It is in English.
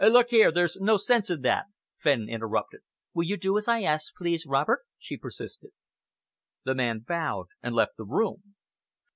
"Look here, there's no sense in that," Fenn interrupted. "Will you do as I ask, please, Robert?" she persisted. The man bowed and left the room.